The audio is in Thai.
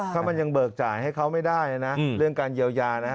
ถ้ามันยังเบิกจ่ายให้เขาไม่ได้นะเรื่องการเยียวยานะครับ